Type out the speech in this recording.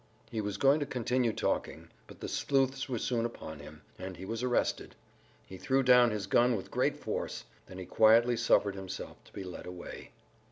He was going to continue talking, but the sleuths were soon upon him, and he was arrested. He threw down his gun with great force; then he quietly suffered himself to be led away.